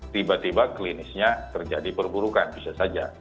tiba tiba klinisnya terjadi perburukan bisa saja